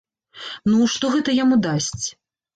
Ну, што гэта яму дасць?